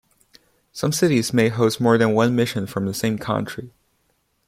Some cities may host more than one mission from the same country.